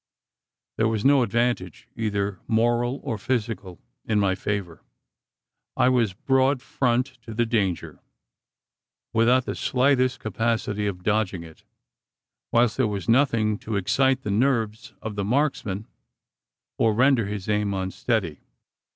There was no advantage either moral or physical in my favour. I was broad front to the danger, without the slightest capacity of "dodging" it; whilst there was nothing to excite the nerves of the marksman, or render his aim unsteady.